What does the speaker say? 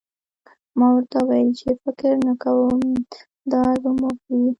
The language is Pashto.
ما ورته وویل چې فکر نه کوم دا زموږ وي